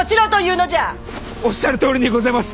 おっしゃるとおりにございます！